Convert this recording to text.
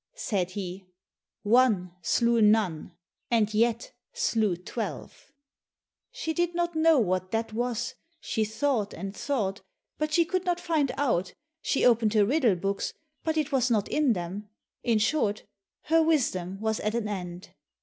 said he, "One slew none, and yet slew twelve." She did not know what that was, she thought and thought, but she could not find out, she opened her riddle books, but it was not in them—in short, her wisdom was at an end.